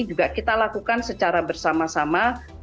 juga kita lakukan secara bersama sama